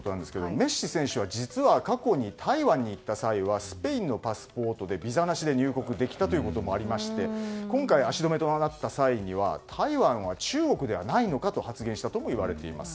メッシ選手は実は過去に台湾に行った際にスペインのパスポートでビザなしで入国できたということもありまして今回、足止めとなった際には台湾は中国ではないのかと発言したとも言われています。